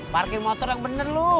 parkir motor yang bener loh